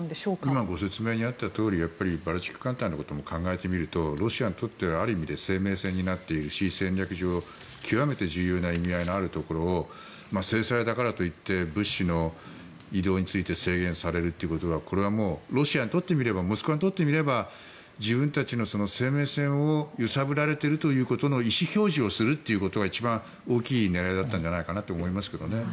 今、ご説明にあったとおりバルチック艦隊のことも考えてみるとロシアにとってはある意味で生命線になっているし戦略上、極めて重要な意味合いがあるところを制裁だからといって物資の移動について制限されるということはこれはもうロシアにとってみればモスクワにとってみれば自分たちの生命線を揺さぶられているということの意思表示をするということが一番大きい狙いだったんじゃないかと思いますけどね。